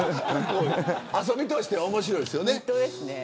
遊びとしては面白いですよね。